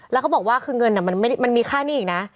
แล้วเขาบอกว่าคือเงินมันมีค่าหนี้อีกนะ